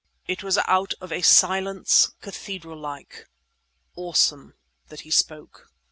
It was out of a silence cathedral like, awesome, that he spoke.